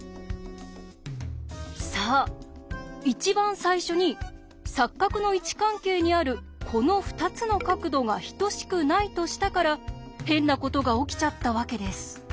そう一番最初に錯角の位置関係にあるこの２つの角度が等しくないとしたから変なことが起きちゃったわけです。